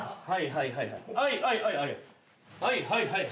はいはいはいはい。